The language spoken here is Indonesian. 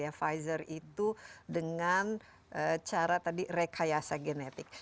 pfizer itu dengan cara tadi rekayasa genetik